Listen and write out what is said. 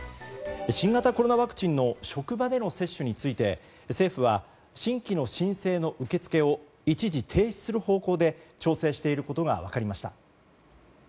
新型コロナワクチンの職場での接種について政府は、新規の申請の受け付けを一時停止する方向で調整していることが分かりました。